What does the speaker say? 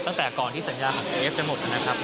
ตั้งแต่ก่อนที่สัญญาของเอฟจะหมดนะครับ